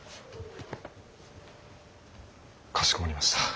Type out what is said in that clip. かしこまりました。